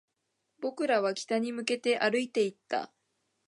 僕らは北に向けて歩いていった